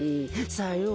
さよう。